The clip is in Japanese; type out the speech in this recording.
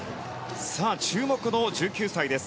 注目の１９歳です。